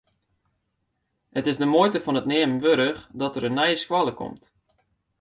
It is de muoite fan it neamen wurdich dat der in nije skoalle komt.